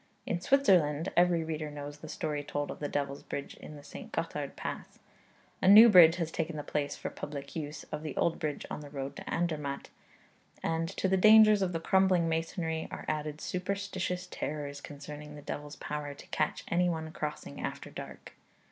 In Switzerland, every reader knows the story told of the devil's bridge in the St. Gothard pass. A new bridge has taken the place, for public use, of the old bridge on the road to Andermatt, and to the dangers of the crumbling masonry are added superstitious terrors concerning the devil's power to catch any one crossing after dark.